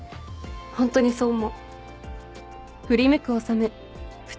ホントにそう思う。